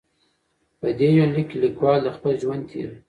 په دې یونلیک کې لیکوال د خپل ژوند تېرې.